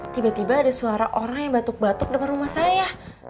tiba tiba ada suara orang yang batuk batuk depan rumah saya